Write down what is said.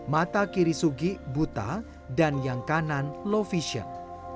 mata kiri sugi buta dan yang kanan low vision